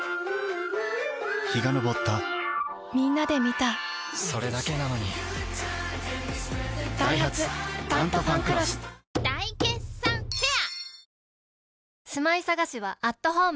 陽が昇ったみんなで観たそれだけなのにダイハツ「タントファンクロス」大決算フェア